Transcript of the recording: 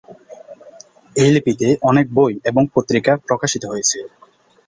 এই লিপিতে অনেক বই এবং পত্রিকা প্রকাশিত হয়েছে।